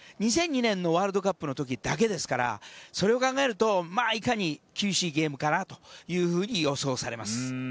２００２年のワールドカップの時だけですからそれを考えるといかに厳しいゲームかなと予想されます。